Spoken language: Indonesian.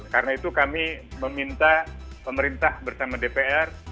karena itu kami meminta pemerintah bersama dpr